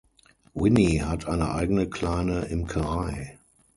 Winnie hat eine eigene kleine Imkerei.